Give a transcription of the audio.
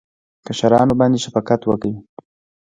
کشرانو باندې شفقت وکړئ